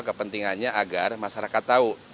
kepentingannya agar masyarakat tahu